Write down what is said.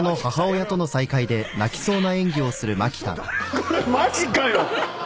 これマジかよ！